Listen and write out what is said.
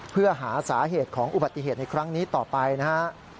เพื่อหาสาเหตุของอุบัติเหตุในครั้งนี้ต่อไปนะฮะ